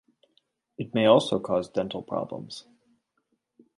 It may also cause dental problems.